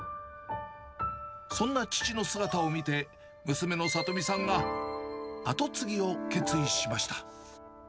そんな父の姿を見て、娘の智美さんが後継ぎを決意しました。